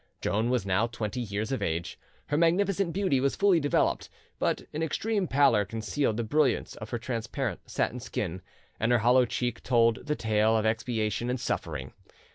Joan was now twenty years of age; her magnificent beauty was fully developed, but an extreme pallor concealed the brilliance of her transparent satin skin, and her hollow cheek told the tale of expiation and suffering.